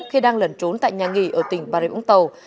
khi đang lẩn trốn tại nhà nghỉ ở tỉnh bà rịa vũng tàu